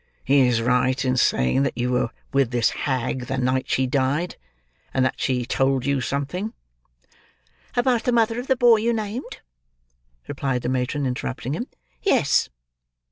"He is right in saying that you were with this hag the night she died; and that she told you something—" "About the mother of the boy you named," replied the matron interrupting him. "Yes."